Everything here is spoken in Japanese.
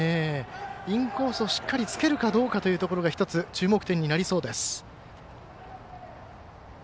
インコースをしっかりつけるかどうかというところが１つ注目点になりそうです。